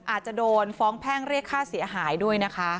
อาจจะโดนฟ้องแพ่งเรียกค่าเสียหายด้วยนะคะ